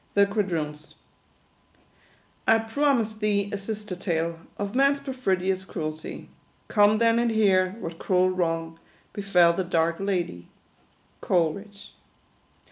THE QUADROONS. "I promised thee a sister tale, Of man's perfidious cruelty : Come then and hear what cruel wrong Befell the dark Ladie." Coleridge.